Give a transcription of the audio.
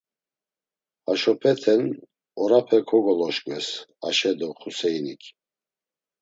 Haşopeten orape kogoloşkves Aşe do Xuseinik.